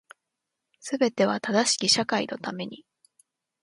全ては正しき社会のために